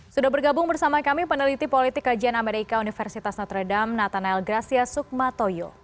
sudah bergabung bersama kami peneliti politik kajian amerika universitas notre dame nathaniel gracia sukmatoyo